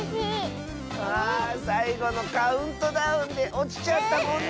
あさいごのカウントダウンでおちちゃったもんね。